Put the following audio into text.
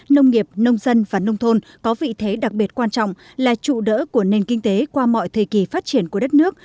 nông nghiệp nông dân và nông thôn có vị thế đặc biệt quan trọng là trụ đỡ của nền kinh tế qua mọi thời kỳ phát triển của đất nước